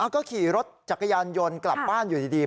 ก็ขี่รถจักรยานยนต์กลับบ้านอยู่ดี